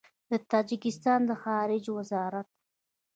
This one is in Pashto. د تاجکستان د خارجه وزارت